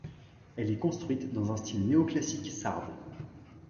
Elle est construite dans un style néoclassique sarde.